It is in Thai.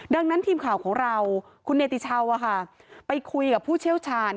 ดังนั้นทีมข่าวของเราคุณเนติชาวไปคุยกับผู้เชี่ยวชาญ